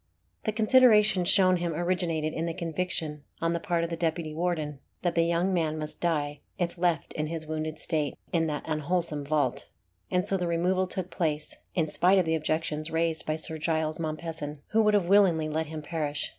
The consideration shown him originated in the conviction on the part of the deputy warden, that the young man must die if left in his wounded state in that unwholesome vault, and so the removal took place, in spite of the objections raised to it by Sir Giles Mompesson, who would have willingly let him perish.